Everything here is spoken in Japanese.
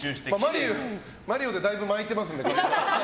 「マリオ」でだいぶ巻いてますので。